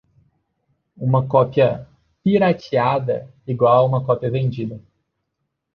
Uma cópia "pirateada" igual a uma cópia vendida.